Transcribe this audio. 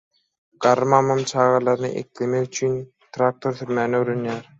Garry mamam çagalaryny eklemek üçin traktor sürmäni öwrenýär.